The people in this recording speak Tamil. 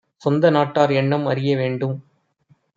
சொந்தநாட் டார்எண்ணம் அறிய வேண்டும்.